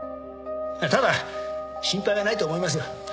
ただ心配はないと思いますよ。